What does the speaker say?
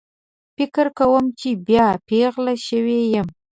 فکر کوم چې بیا پیغله شوې یم